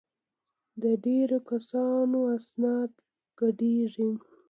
د ډېرو کسانو اسناد ګډېږي.